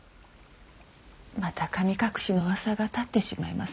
また神隠しのうわさが立ってしまいますね。